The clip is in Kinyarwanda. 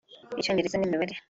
Icyongereza n’Imibare